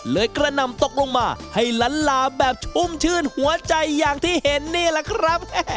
กระหน่ำตกลงมาให้ล้านลาแบบชุ่มชื่นหัวใจอย่างที่เห็นนี่แหละครับ